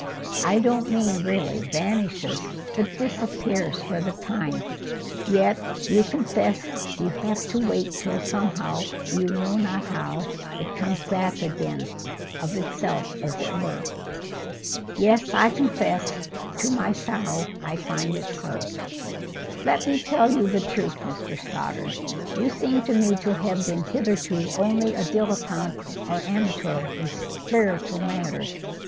"I don't mean really vanishes, but disappears for the time. Yet you will confess you have to wait till, somehow, you know not how, it comes back again—of itself, as it were." "Yes, I confess. To my sorrow, I find it so." "Let me tell you the truth, Mr Stoddart. You seem to me to have been hitherto only a dilettante or amateur in spiritual matters.